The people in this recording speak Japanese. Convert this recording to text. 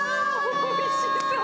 おいしそう！